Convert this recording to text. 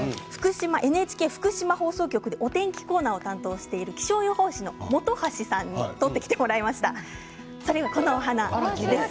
ＮＨＫ福島放送局でお天気コーナーを担当している気象予報士の本橋さんにきれい。